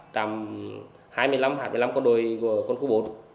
hai mươi năm hai mươi năm con đồi của con khu bốn